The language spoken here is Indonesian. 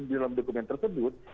di dalam dokumen tersebut